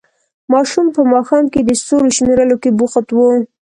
ماشوم په ماښام کې د ستورو شمېرلو کې بوخت وو.